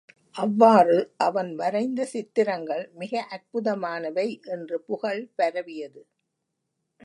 அவ்வாறு, அவன் வரைந்த சித்திரங்கள் மிக அற்புதமானவை என்று புகழ் பரவியது.